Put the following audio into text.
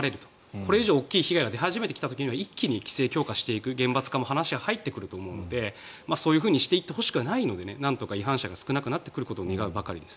これ以上、大きい被害が出始めた時には規制強化していく厳罰化も話に入ってくると思うのでそういうふうにしていってほしくないのでなんとか違反者が少なくなってほしいと思います。